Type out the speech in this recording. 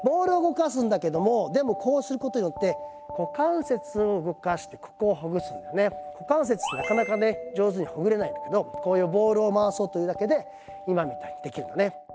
でもこうすることによって股関節ってなかなかね上手にほぐれないんだけどこういうボールを回そうというだけで今みたいにできるのね。